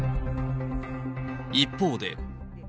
一方で。